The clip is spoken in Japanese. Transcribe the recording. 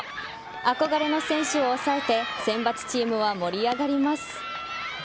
憧れの選手を抑えて選抜チームは盛り上がります。